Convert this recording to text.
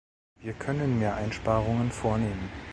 Wir können mehr Einsparungen vornehmen.